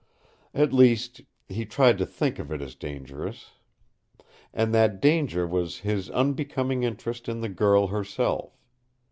At least he tried to think of it as dangerous. And that danger was his unbecoming interest in the girl herself.